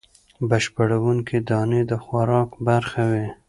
بشپړوونکې دانې د خوراک برخه وي.